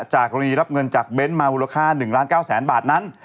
จากรณีรับเงินจากเบนซ์มามูลค่า๑๙๐๐๐๐๐บาทนั้น